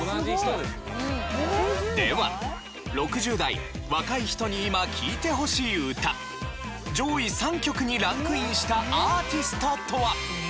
では６０代若い人に今聴いてほしい歌上位３曲にランクインしたアーティストとは？